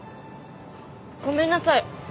ごめんなさい私。